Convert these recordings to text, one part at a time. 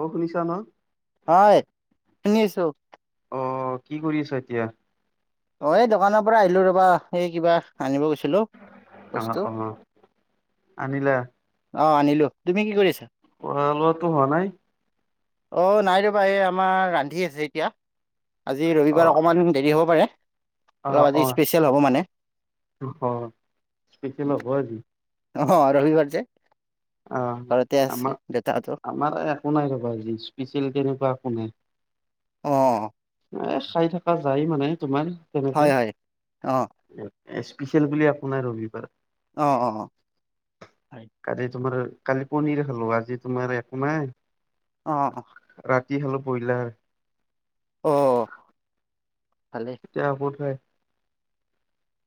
অ শুনিছা ন? হয়। শুনি আছো। অ কি কৰি আছা এতিয়া? অ এই দোকানৰ পৰা আহিলো ৰবা, এই কিবা আনিব গৈছিলো। অ বস্তু অ। আনিলা? অ আনিলো। তুমি কি কৰি আছা? খোৱা লোৱাটো হোৱা নাই? অ নাই ৰবা এই আমাৰ ৰান্ধি আছে এতিয়া। আজি অ ৰবিবাৰ অকমান দেৰি হ'ব পাৰে। অ অলপ আজি অ স্পেচিয়েল হ'ব মানে। অ স্পেচিয়েল হ'ব আজি অ ৰবিবাৰ যে, অ ঘৰতে আছে আমাৰ দেউতাহতো আমাৰ একো নাই ৰ'বা স্পেচিয়েল তেনেকুৱা একো নাই। অ এ চাই থকা যায় মানে তোমাৰ তেনেকে হয় হয় অ স্পেচিয়েল বুলি একো নাই ৰবিবাৰ। অ অ অ। কালি তোমাৰ কালি পনীৰে খালো। আজি তোমাৰ একোনাই। অ ৰাতি খালোঁ ব্ৰইলাৰ। অ' ভালেই। এতিয়া আকৌ ঠাই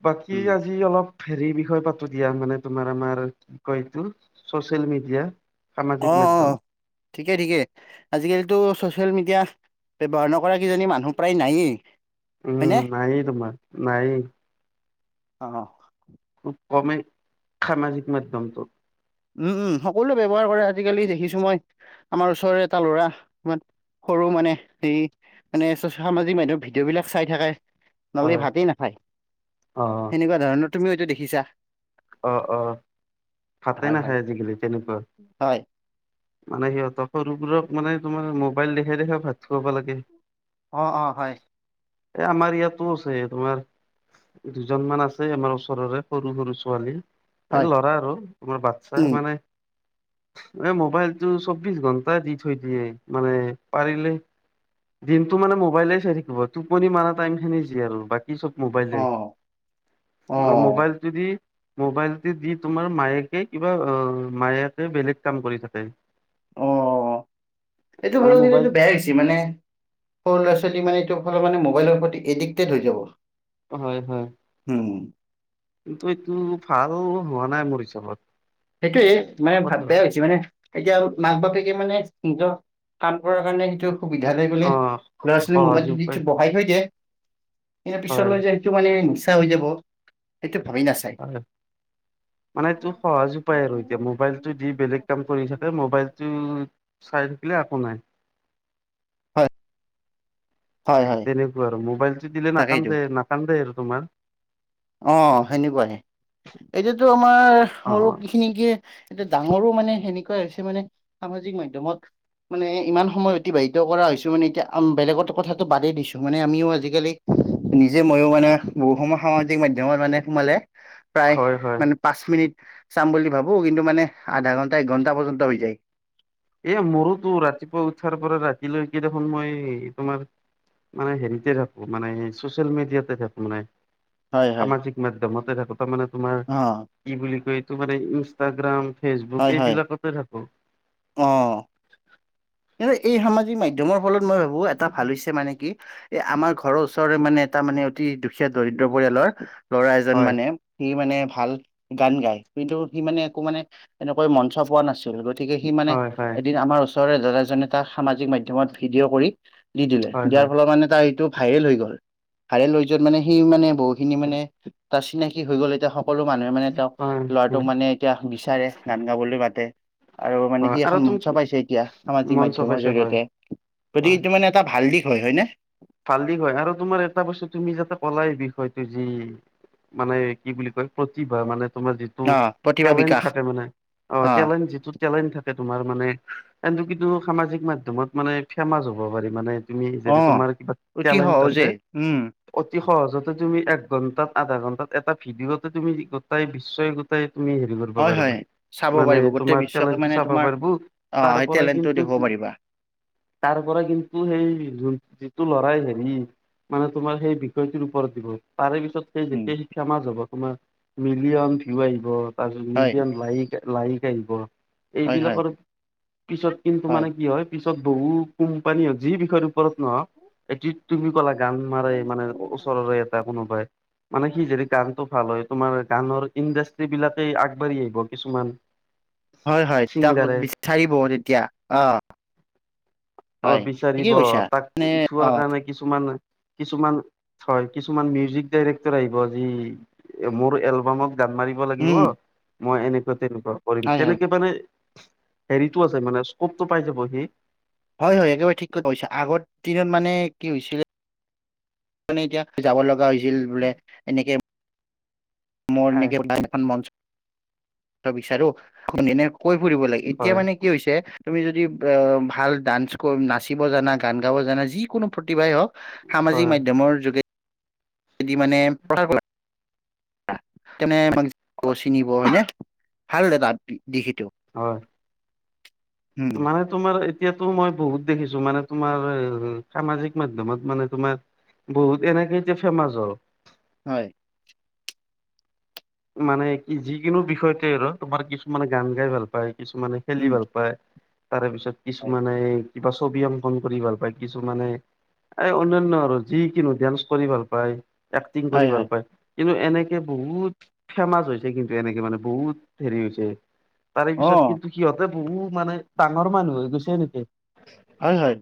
বাকী উম আজি অলপ হেৰিৰ বিষয়ে পাতো দিয়া, মানে তোমাৰ আমাৰ কি কয় এইটো চচিয়েল মিডিয়া। সামাজিক অ', মাধ্যম অ' ঠিকেই ঠিকে, আজিকালিতো চচিয়েল মিডিয়া ব্যৱহাৰ নকৰা কিজানি মানুহ প্ৰায় নায়েই। হয়নে উম, নায়েই তোমাৰ, নায়েই। অ'। খুব কমেই সামাজিক মাধ্যমটো। উম, উম, সকলোৱে ব্যৱহাৰ কৰে, আজিকালি দেখিছোঁ মই আমাৰ ওচৰৰে এটা ল'ৰা ইমান সৰু মানে সেই মানে সামাজিক মাধ্যমত ভিডিঅ'বিলাক চাই থাকে। নহ'লে হয় ভাতেই নাখায়, অ সেনেকুৱা ধৰণৰ তুমিও হয়তো দেখিছা। অ', অ' ভাতে হয় হয় নাখায় আজিকালি তেনেকুৱা। হয় মানে সিহঁতক সৰুবোৰক মানে তোমাৰ মোবাইল দেখাই দেখাই ভাত খুৱাব লাগে। অ অ হয় এ, আমাৰ ইয়াতো আছে তোমাৰ দুজনমান আছে আমাৰ ওচৰৰে সৰু সৰু পোৱালি, এই হয় ল'ৰা আৰু তোমাৰ বাচ্ছা উম মানে মানে মোবাইলটো চৌবিশ ঘন্টাই দি থৈ দিয়ে মানে পাৰিলে দিনটো মানে মোবাইলেই চাই থাকিব, টোপনি মাৰা টাইমখিনি যি আৰু বাকী কি চব অ মোবাইলেই অ' মোবাইল যদি মোবাইলটো দি তোমাৰ মায়েকে কিবা মায়েকে বেলেগ কাম কৰি থাকে। অ' এইটো মানে হলে কিন্তু মোবাইল এইটো বেয়া হৈছে। যিমানে সৰু ল'ৰা ছোৱালী মানে এইটো ফালৰ মানে মোবাইলৰ প্ৰতি এডিক্টেড হৈ যাব। হয় হয়। হুম। কিন্তু এইটো ভাল হোৱা নাই মোৰ হিচাপত। সেইটোৱেইে মানে ভাত কথা বেয়া হৈছে মানে। এতিয়া মাক বাপেকে মানে নিজৰ কাম কৰাৰ কাৰণে সেইটো সুবিধা লৈ অ বোলে ল'ৰা ছােৱালীক সহজ মুবাইলটো উপায় দি বহাই থৈ দিয়ে। এ, হয় পিছলৈ যে সেইটো মানে নিচা হৈ যাব সেইটো ভাবি নাচায়। হয়, মানে তোৰ সহজ উপায় আৰু এতিয়া, মোবাইলটো দি বেলেগ কাম কৰি থাকে, মোবাইলটো চাই থাকিলে একো নাই। হয়। হয় হয়। তেনেকুৱা আৰু মোবাইলটো দিলে তাকেইতো নাকান্দে, নাকান্দে আৰু তোমাৰ। অ' সেনেকুৱাই। এতিয়াতো আমাৰ অ সৰু খিনিকে এটা ডাঙৰো মানে সেনেকুৱা হৈছে মানে সামাজিক মাধ্যমত মানে ইমান সময় অতিবাহিত কৰা হৈছোঁ মানে এতিয়া বেলেগত কথাটো বাদেই দিছোঁ মানে আমিও আজিকালি নিজে ময়ো মানে বহু সময় সামাজিক মাধ্যেমত মানে সোমালে প্ৰায় হয় হয় মানে পাঁচ মিনিট চাম বুলি ভাবোঁ কিন্তু মানে আধা ঘণ্টা, এক ঘণ্টা পৰ্যন্ত হৈ যায়। এ, মোৰোতো ৰাতিপুৱা উঠাৰ পৰা ৰাতিলৈকে দেখোন মই তোমাৰ মানে হেৰিতে থাকো, মানে চচিয়েল মিডিয়াতে থাকো মানে। হয় হয় সামাজিক মাধ্যমতে থাকো তাৰ মানে তোমাৰ অ কি বুলি কয় এইতো মানে ইনষ্টাগ্ৰাম ফেচবুক হয় হয় এইবিলাকতে থাকো অ এই সামাজিক মাধ্যমৰ ফলত মই ভাবোঁ এটা ভাল হৈছে মানে কি এ আমাৰ ঘৰৰ ওচৰৰে মানে এটা মানে অতি দুখীয়া দৰিদ্ৰ পৰিয়ালৰ ল'ৰা এজন হয় মানে সি মানে ভাল গান গায় কিন্তু সি মানে একো মানে এনেকৈ মঞ্চ পোৱা নাছিল গতিকে সি মানে হয় হয় এদিন আমাৰ ওচৰৰে দাদাজনে তাক সামাজিক মাধ্যমত ভিডিঅ' কৰি দি দিলে হয় দিয়াৰ হয় ফলত মানে তাৰ এইটো ভাইৰেল হৈ গ'ল ভাইৰেল হৈ যোৱাত মানে সেই মানে বহুতখিনি মানে তাৰ চিনাকি হৈ গ'ল এতিয়া সকলো মানুহে মানে তেওঁক হয় ল'ৰাটোক উম, মানে এতিয়া বিচাৰে গান গাবলৈ মাতে আৰু মানে হয় সি আৰু এখন তুমি কি মঞ্চ পাইছে এতিয়া সামাজিক মঞ্চ মাধ্যমৰ পাইছে হয় জৰিয়তে গতিকে হয় তোমাৰ মানে এটা ভাল দিশ হয় নে ভাল দিশ হয় আৰু তোমাৰ এটা বস্তু তুমি যাতে কলাই বিষয়টো যি মানে কি বুলি কয় প্ৰতিভা মানে তোমাৰ যি যিটো অ প্ৰতিভা টেলেন্ট বিকাশ থাকে মানে অ টেলেন্ট যিটো টেলেন্ট থাকে তোমাৰ মানে কিন্তু সামাজিক মাধ্যমত মানে ফেমাচ হ'ব পাৰি মানে তুমি অ যেনে তোমাৰ কিবা অতি টেলেণ্ট আছে সহজে উম অতি সহজতে তুমি এক ঘন্টাত আধা ঘন্টাত এটা ভিডিঅতে তুমি গোটেই বিশ্বই গোটেই তুমি হয় হয় [unintelligible] চাব মানে পাৰিব গোটেই তোমাৰ বিশ্বকে টেলেন্ট মানে চাব তোমাৰ পাৰব অ তাৰ সেই পৰা টেলেণ্টটো কিন্তু দেখুৱাব পাৰিবা তাৰ পৰা কিন্তু সেই যিটো লৰাই হেৰি মানে তোমাৰ সেই বিষয়টোৰ ওপৰত দিব তাৰে পিছত সেই উম যেতিয়া ফেমাচ হ'ব তোমাৰ মিলিয়ন ভিউ আহিব তাৰপিছত হয় মিলিয়ন লাইক লাইক আহিব হয় হয় এইবিলাকৰ পিছত কিন্তু মানে কি হয় ত বহু কোম্পানী যি বিষয়ৰ ওপৰত নহওক এটি তুমি ক'লা গান মাৰে মানে ওচৰৰে এটা কোনোবাই মানে সি যদি গানটো ভাল হয় তোমাৰ গানৰ ইণ্ডাষ্টী বিলাকেই আগবাঢ়ি আহিব কিছুমান হয় হয় তেওঁক ছিংগাৰে বিচাৰিব তেতিয়া অ অ হয় ঠিকেই বিচাৰিব কৈছা তাক অ উঠোৱাৰ কাৰণে কিছুমান কিছুমান হয় কিছুমান মিউজিক ডাইক্টৰ আহিব যি মোৰ এলবামক গান গাই লাগিব উম মই এনেকুৱা তেনেকুৱা কৰিম হয় হয় তেনেকে মানে হেৰিটো আছে মানে স্কপটো পাই যাব সি হয় হয় একেবাৰে ঠিক কৰিছা আগৰ দিনত মানে কি হৈছিলে মানে এতিয়া যাব লগা হৈছিল বোলে এনেকে মোৰ হয় এনেকে এখন মঞ্চ বিচাৰো এনেকৈ কৈ ফুৰিব লাগে এতিয়া হয় মানে কি হৈছে তুমি যদি ভাল ডান্স নাচিব জানা গান গাব জানা যিকোনো প্ৰতিভাই হওঁক সামাজিক হয় মাধ্যমৰ যোগেদি মানে প্ৰ তেনে আমাক চিনিব হয়নে ভাল এটা দিশটো হয় মানে তোমাৰ এতিয়াতো মই বহুত দেখিছো মানে তোমাৰ সামাজিক মাধ্যমত মানে তোমাৰ বহুতে তেনেকে এতিয়া ফেমাচ হ'ল হয় মানে কি যিকোনো বিষয়তে আৰু তোমাৰ কিছুমানে গান গাই ভাল পায় কিছুমানে খেলি উম ভাল পায় তাৰে পিছত হয় কিছুমানে কিবা ছবি অংকন কৰি ভাল পায় কিছুমানে। এই অন্যান আৰু যিকিনো ডান্স কৰি ভাল পায়। এক্টিং কৰি ভাল হয় পায় কিন্তু এনেকে বহুত ফেমাচ হৈছে কিন্তু এনেকে মানে বহুত হেৰি হৈছে তাৰে অ পিছত কিন্তু সিহঁতে বহু মানে ডাঙৰ মানুহ হৈ গৈছে নেকি। হয়, হয়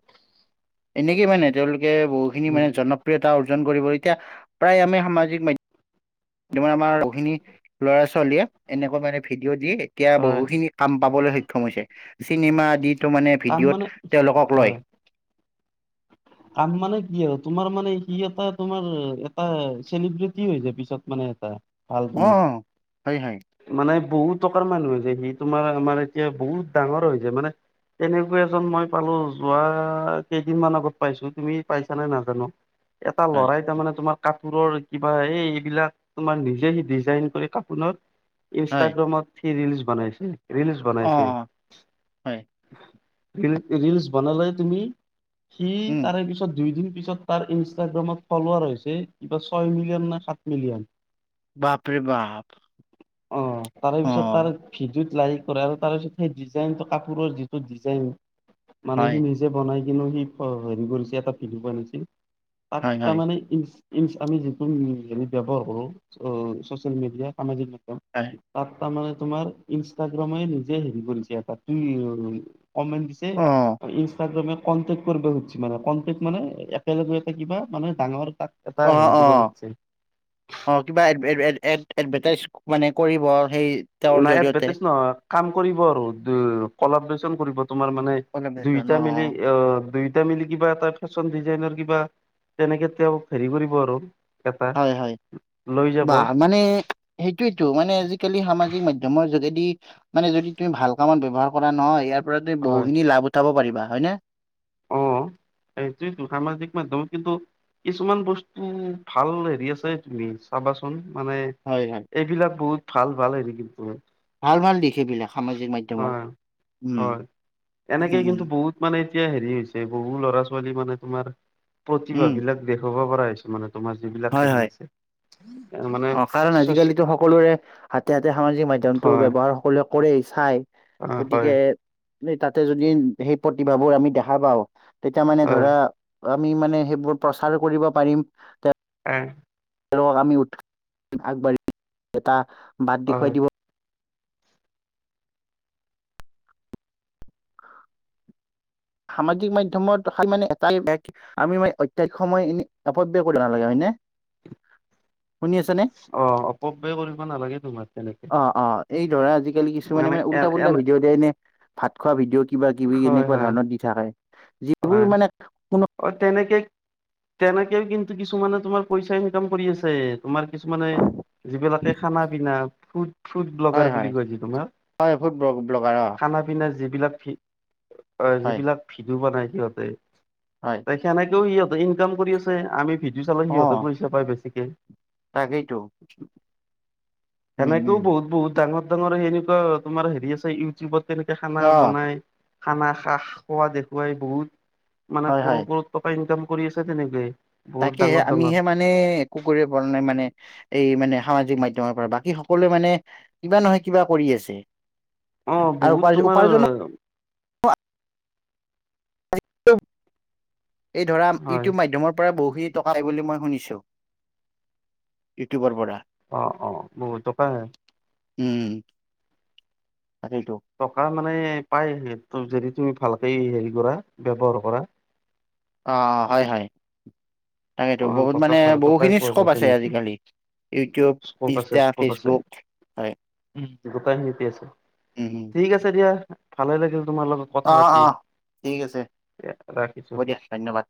এনেকে মানে তেওঁলোকে বহুখিনি মানে উম জন [unintelligible] অৰ্জন কৰিব এতিয়া প্ৰায় আমি সামাজিক মাধ্যম তাৰ মানে আমাৰ বহুখিনি ল'ৰা ছোৱালীয়ে এনেকুৱা মানে ভিডিঅ' দি এতিয়া হয়। বহুখিনি কাম পাবলৈ সক্ষম হৈছে চিনেমা আদিতো মানে কাম মানে ভিডিঅ'ত তেওঁলোকক লয় হয় কাম মানে কি আৰু তোমাৰ মানে সি এটা তোমাৰ এটা চেলিব্ৰিটি হৈ যায় পিছত মানে এটা। ভাল অ তোমাৰ। হয় হয় মানে বহুত টকাৰ মানুহ যে সি তোমাৰ আমাৰ এতিয়া বহুত ডাঙৰ হৈ যায় মানে তেনেকুৱা এজন মই পালোঁ যোৱা কেইদিনমান আগত পাইছোঁ তুমি পাইছা নে নাই নাজানোঁ এটা হয় লৰাই তাৰ মানে তোমাৰ ক কোৰৰ কিবা এই এইবিলাক তোমাৰ নিজে সি ডিজাইন কৰি কাপোনত হয় ইনষ্টাগ্ৰামত ৰিলছ বনাইছে ৰিলিছ অ বনাইছে। অ হয় ৰিল ৰিলচ্ বনালে তুমি সি উম তাৰে পিছত দুই দিন পিছত তাৰ ইনষ্টাগ্ৰামত ফলোৰ হৈছে কিবা ছয় মিলিয়ন নাই সাত মিলিয়ন বাপৰে বাপ অ তাৰে পিছত তাৰ অ'। ভিডিঅ'ত লাইক কৰা আৰু তাৰ পিছত সেই ডিজাইনটো কাপোৰৰ যিটো ডিজাইন হয় মানেখিনি যে বনাই কিনো সি হেৰি কৰিছে এটা ভিডিঅ' বনিছিল তাক হয় হয় তাৰমানে ই ই আমি যিটো ব্যৱহাৰ কৰো চচিয়েল মিডিয়া সামাজিক মাধ্যম হয়। তাত তাৰমানানে তোমাৰ ইনষ্টাগ্ৰামে নিজে হেৰি কৰিছে এটা কমেণ্ট দিছে অ ইনষ্টাগ্ৰামে কনটেক্ট কৰিবা খুদিছি মানে কনটেক্ট মানে একেলগ এটা কিবা মানে ডাঙৰ তাত অ', অ'। অ', কিবা [unintelligible] এডভাৰটাইজ মানে কৰিব আৰু সেই তেওঁৰ নাই জৰিয়তে এডভাৰটাইজ নহয় কাম কৰিব আৰু কলাবৰেচন কৰিব তোমাৰ মানে অ দুইটা মিলি অ', দুই মেলি কিবা এটা ফেশ্বন ডিজাইনৰ কিবা তেনেকে তেওঁ হেৰি কৰিব আৰু এটা হয়, হয় লৈ যাব বা মানে সেইটোয়েতো মানে আজিকালি সামাজিক মাধ্যমৰ যোগেদি মানে যদি তুমি ভাল কামত ব্যৱহাৰ কৰা নহয় ইয়াৰ পৰা তুমি হয়। বহুখিনি লাভ উঠাব পাৰিবা হয় নে। অ', সেইটোৱেটো সামাজিক মাধ্যমত কিন্তু কিছুমান বস্তু ভাল হেৰি আছে তুমি চাবাচোন মানে হয়, হয়। এইবিলাক বহুত ভাল ভাল হয় [unintelligible] তোমাৰ ভাল, ভাল দিশ বিলাক সামাজিক মাধ্যমত উম, হয় এনেকে উম উ কিন্তু বহুত মানে এতিয়া হেৰি হৈছে বহু ল'ৰা ছোৱালী মানে তোমাৰ প্ৰতিভা উম বিলাক দেখাব পৰা হৈছে মানে। তোমাৰ যিবিলাক হয় খেলি হয়। আছে মানে অ', কাৰণ চচ আজিকালিতো সকলোৰে হাতে, হাতে সামাজিক মাধ্যমতটো হয় ব্যৱহাৰ [unintelligible] কৰে চাই অ' হয় গতিকে এনে তাতে যদি সেই প্ৰতিভাবোৰ আমি দেখা পাওঁ তেতিয়া মানে হয় ধৰা আমি মানে সেইবোৰ প্ৰচাৰ কৰিব পাৰিম তে এ, তেওঁলোকক আমি উৎ আগবাঢ়ি এটা বাট দেখুৱাই হয় দিব- সামাজিক মাধ্যমত খালি মানে এটাই বেয়া কি? আমি মানে অত্যাধিক সময় এনে অপব্য কৰিব নালাগে হয় নে? শুনি আছা নে? অ' অপব্যয় কৰিব নালাগে তোমাৰ তেনেকে। অঁ অঁ, এই ধৰা আজিকালি কিছুমানে মানে এ উল্টা পুল্টা এনে ভিডিঅ' দেই এনে- ভাত খোৱা ভিডিঅ কিবা কিবি হয় এনেকুৱা হয় ধৰণৰ দি থাকে। যিবোৰ হয় মানে কোনো- অ' তেনেকে, তেনেকেও কিন্তু কিছুমানে তোমাৰ পইচা ইনকাম কৰি আছে। তোমাৰ কিছুমানে যিবিলাতে খানা পিনা ফুট- ফট হয়, ব্লগাৰ হয়, বুলি কয় তোমাৰ হয়, ফুড ব্লগাৰ অ', খানা- পিনা যিবিলা ভি অ হয়, যিবিলাক ভিডিঅ বনাই সিহঁতে- হয়। সেনেকেও সিহঁতে ইনকাম কৰি আছে আমি ভিক্ষা- ভিউজ হলে সিহঁতে অ', পইছা পায় বেছিকে। তাকেইতো উম, সেনেকেও উম, বহুত বহুত ডাঙৰ ডাঙৰ সেনেকোৱা তোমাৰ হেৰি আছে ইউটিউবত তেনেকে খানা অ', বনায়- খানা খাহ খোৱা দেখুৱাই বহুত। মানে হয়, হয়, কৰোৰ কৰোৰ টকা ইনকাম কৰি আছে তেনেকে। বহুত তাকেহে, ডাঙৰ ডাঙৰ আমিহে মান- নে একো কৰিব পৰা নাই মানে এই মানে সামাজিক মাধ্যমৰ পৰা বাকী সকলোৱে মানে- কিবা নহয় কিবা কৰি আছে, অ আৰু বহুত উপাৰ্ তোমাৰ উপাৰ্জনো- এই ধৰা হয় ইউটিউব মাধ্যমৰ পৰা বহি- টকা পাই বুলি মই শুনিছো, ইউটিউবৰ পৰা। অঁ অঁ, বহুত টকা আহে। উম' তাকেইতো। টকা মানে পাই সেইটোক যদি তুমি ভালকে হেৰি কৰা ব্যৱহাৰ কৰা। অঁ হয় হয়, তাকেতো অ বহুত টকা মানে ভাল টকাই বহুখিনি পোৱা স্কপ যায় আছে তেনেকে আজিকালি। ইউটিউব স্কপ ইনষ্টা ফেচবুক- উম' গোটায় খিনিতে আছে। উমহুম' ঠিক আছে দিয়া, ভালে লাগিল তোমাৰ লগত। কথা অঁ পাতি অঁ ঠিক আছে, ৰাখিছো হ'ব দিয়া ধন্যবাদ।